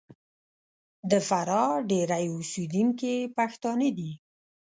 د فراه ډېری اوسېدونکي پښتانه دي.